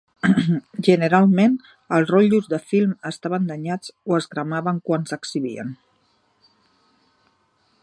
Generalment els rotllos de film estaven danyats o es cremaven quan s'exhibien.